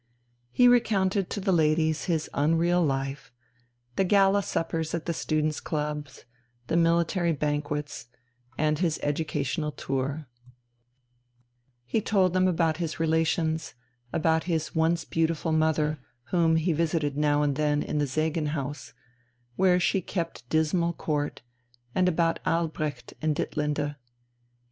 He recounted to the ladies his unreal life, the gala suppers at the students' clubs, the military banquets, and his educational tour; he told them about his relations, about his once beautiful mother, whom he visited now and then in the "Segenhaus," where she kept dismal court, and about Albrecht and Ditlinde.